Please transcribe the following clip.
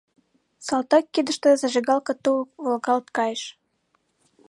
Салтак кидыште зажигалке тул волгалт кайыш.